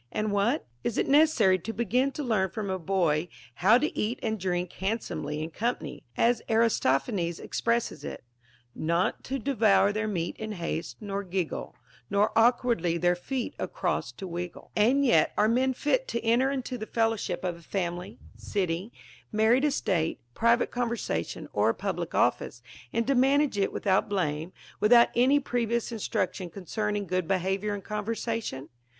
And what I is it neces sary to begin to learn from a boy how to eat and drink hand somely in company, as Aristophanes expresses it, — Not to devour their meat in haste, nor giggle, Nor awliwardly their ieot across to \vriggle,t and yet are men fit to enter into tlie fellowship of a fiimily, city, married estate, private conversation, or public ofRce, and to manage it without blame, without any previous in struction concerning good behavior in conversation